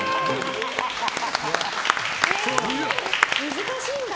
難しいんだ。